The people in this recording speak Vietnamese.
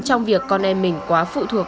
trong việc con em mình quá phụ thuộc